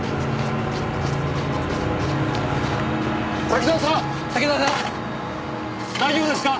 大丈夫ですか？